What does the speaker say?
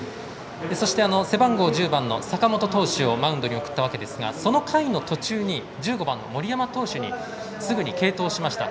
背番号１０番の坂本投手をマウンドに送ったわけですがその回途中に１５番、森山投手にすぐに継投しました。